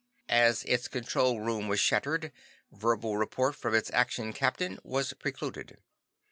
"As its control room was shattered, verbal report from its Action Captain was precluded.